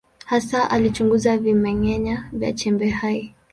Hasa alichunguza vimeng’enya vya chembe hai.